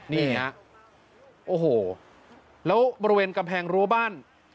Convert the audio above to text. นี่ฮะโอ้โหแล้วบริเวณกำแพงรั้วบ้าน